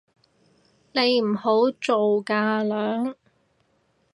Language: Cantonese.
你唔好做架樑